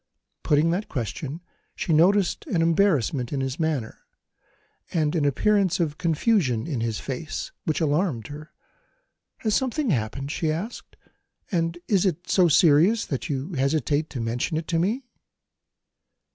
Putting that question, she noticed an embarrassment in his manner, and an appearance of confusion in his face, which alarmed her. "Has something happened?" she asked; "and is it so serious that you hesitate to mention it to me?"